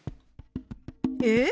え